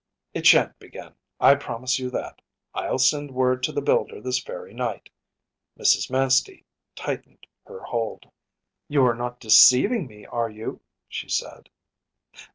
“It shan’t begin, I promise you that; I’ll send word to the builder this very night.‚ÄĚ Mrs. Manstey tightened her hold. “You are not deceiving me, are you?‚ÄĚ she said.